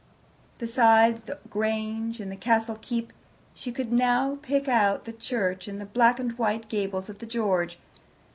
Besides the Grange and the Castle keep, she could now pick out the church and the black and white gables of the George.